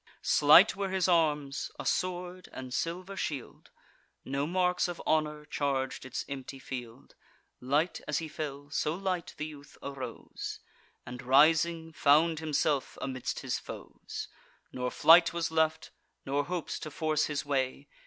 Slight were his arms, a sword and silver shield: No marks of honour charg'd its empty field. Light as he fell, so light the youth arose, And rising, found himself amidst his foes; Nor flight was left, nor hopes to force his way.